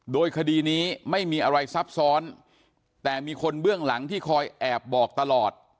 โดยคดีนี้ไม่มีอะไรซับซ้อนแต่มีคนเบื้องหลังที่คอยแอบบอกตลอด